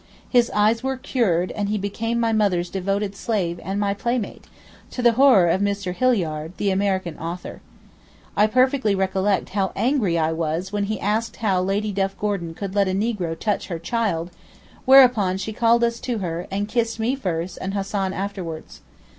His eyes were cured, and he became my mother's devoted slave and my playmate, to the horror of Mr. Hilliard, the American author. I perfectly recollect how angry I was when he asked how Lady Duff Gordon could let a negro touch her child, whereupon she called us to her, and kissed me first and Hassan afterwards.